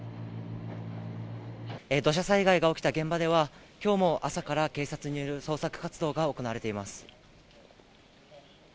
土砂災害が起きた現場では、きょうも朝から警察による捜索活動が行われています。